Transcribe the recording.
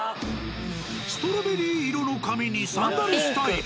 ストロベリー色の髪にサンダルスタイル。